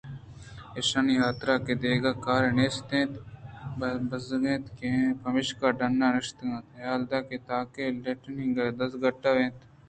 ایشانی حاترا کہ دگہ کارے نیست اَت یا بیزار اِت اَنت پمیشکا ڈنّءَ نشتگ ءُحالتاکے ءِ تاکاں لیٹینگ ءَ دزگٹ اِت اَنت